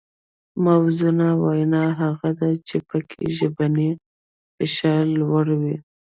موزونه وینا هغه ده چې پکې ژبنی فشار لوړ وي